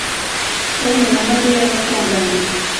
Tom na Mariya batonganye